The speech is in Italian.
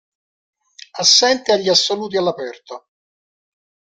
Assente agli assoluti all'aperto.